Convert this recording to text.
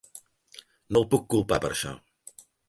No el puc culpar per això.